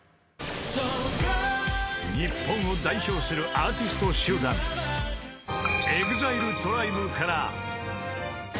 ［日本を代表するアーティスト集団ＥＸＩＬＥＴＲＩＢＥから］